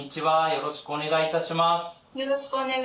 「よろしくお願いします」。